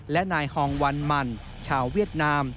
และนายฮองวันหมั่นชาวเวียดนาม